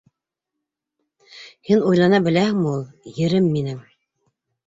Һин уйлана беләһеңме ул, ерем минең?